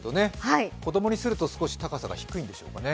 子供にすると少し高さが低いんでしょうかね。